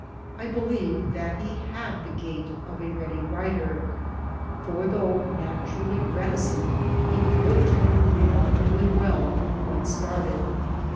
I believed that he had the gift of a ready writer, for though naturally reticent, he could talk remarkably well when started.